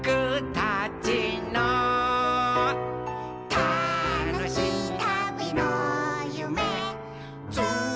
「たのしいたびのゆめつないでる」